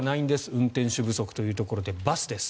運転手不足というところでバスです。